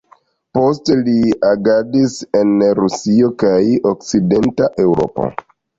Poste li agadis en Rusio kaj okcidenta Eŭropo.